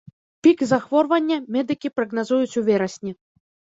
Пік захворвання медыкі прагназуюць у верасні.